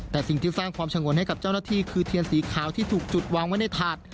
แต่สิ่งที่สร้างความสงวนให้กับเจ้าหน้าที่คือเทียนสีขาวที่ถูกจุดวางไว้ในถาด